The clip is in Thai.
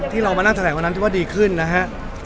ที่เรามานั่งแถลงวันนั้นที่ว่าดีขึ้นนะฮะ